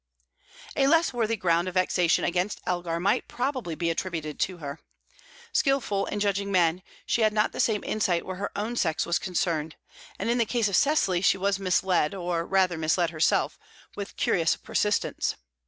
A less worthy ground of vexation against Elgar might probably be attributed to her. Skilful in judging men, she had not the same insight where her own sex was concerned, and in the case of Cecily she was misled, or rather misled herself, with curious persistence.